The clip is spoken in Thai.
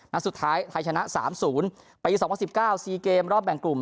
นัดสุดท้ายไทยชนะ๓๐ปี๒๐๑๙๔เกมรอบแบ่งกลุ่ม